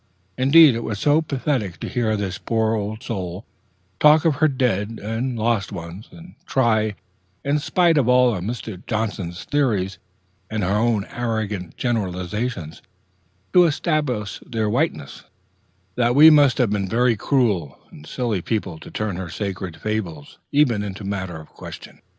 Indeed, it was so pathetic to hear this poor old soul talk of her dead and lost ones, and try, in spite of all Mr. Johnson's theories and her own arrogant generalizations, to establish their whiteness, that we must have been very cruel and silly people to turn her sacred fables even into matter of question.